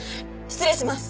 失礼します。